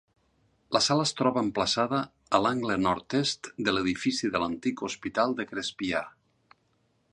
La sala es troba emplaçada a l'angle nord-est de l'edifici de l'antic hospital de Crespià.